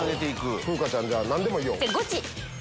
風花ちゃん何でもいいよ。